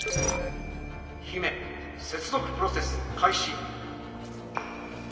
「姫接続プロセス開始」。